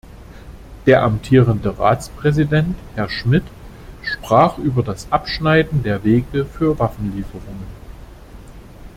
Der amtierende Ratspräsident, Herr Schmit, sprach über das Abschneiden der Wege für Waffenlieferungen.